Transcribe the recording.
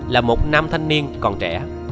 là một nam thanh niên còn trẻ